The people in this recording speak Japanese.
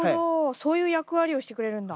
そういう役割をしてくれるんだ。